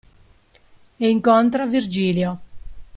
E incontra Virgilio.